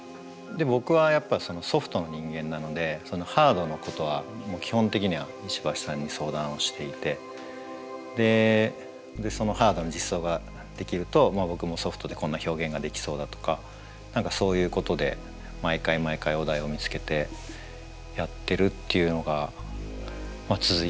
僕はやっぱソフトの人間なのでハードのことは基本的には石橋さんに相談をしていてそのハードの実装が出来ると僕もソフトでこんな表現ができそうだとか何かそういうことで毎回毎回お題を見つけてやってるっていうのが続いてるって感じですかね。